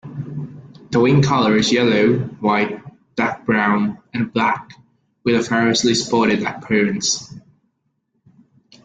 The wing colour is yellow, white, dark-brown and black with a variously spotted appearance.